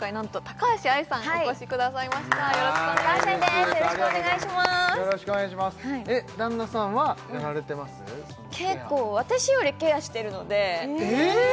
ケア結構私よりケアしてるのでえ？